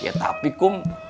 ya tapi kum